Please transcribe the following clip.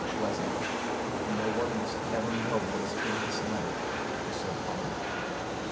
"Leslie, no one must ever know what is in this letter," he said calmly.